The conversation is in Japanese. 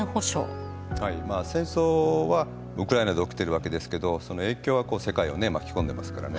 戦争はウクライナで起きているわけですけどその影響が世界をね巻き込んでますからね。